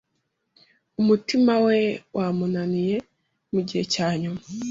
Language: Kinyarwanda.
Umutima we wamunaniye mugihe cyanyuma.